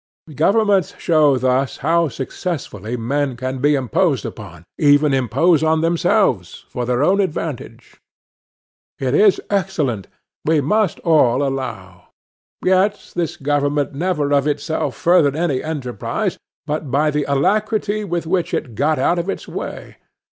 Governments show thus how successfully men can be imposed on, even impose on themselves, for their own advantage. It is excellent, we must all allow; yet this government never of itself furthered any enterprise, but by the alacrity with which it got out of its way.